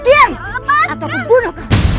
diam atau kubunuh kau